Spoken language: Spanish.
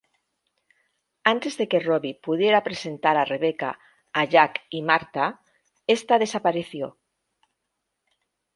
Antes de que Robbie pudiera presentar a Rebecca a Jack y Martha esta desapareció.